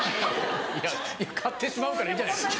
いや買ってしまうからいいんじゃないですか。